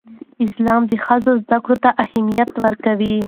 اسلام د ښځو زدهکړې ته اهمیت ورکوي.